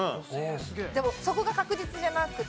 でもそこが確実じゃなくて。